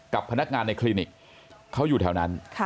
กับพนักงานในคลินิกเขาอยู่แถวนั้น